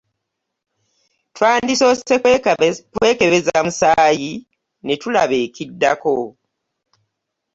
Twandisoose kwekebeza musaayi ne tulaba ekiddako.